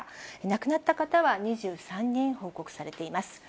亡くなった方は２３人報告されています。